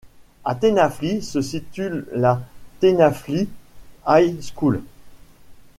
À Tenafly se situe la Tenafly High School.